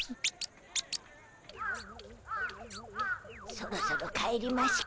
そろそろ帰りましゅか。